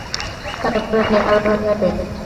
তার পরনে কালো রঙের প্যান্ট।